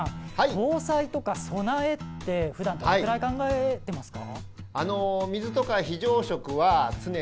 防災とか備えってふだんどのくらい考えてますか？